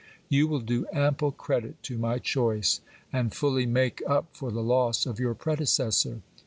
You will do ample credit to my choice, and fully make up for the loss of your predecessor.